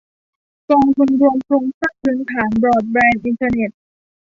กองทุนรวมโครงสร้างพื้นฐานบรอดแบนด์อินเทอร์เน็ต